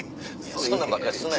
そんなんばっかすなよ。